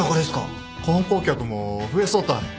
観光客も増えそうたい。